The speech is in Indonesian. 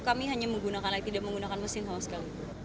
kami hanya menggunakan light tidak menggunakan mesin sama sekali